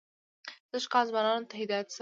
سږ کال ځوانانو ته هدایت شوی.